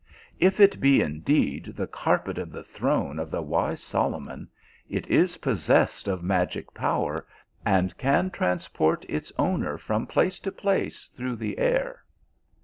If it be indeed the carpet of the throne of the wise Solomon, it is possessed of magic power, and can transport its owner from place to place through the air."